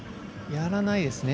やらないですね。